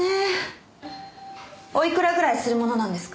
おいくらぐらいするものなんですか？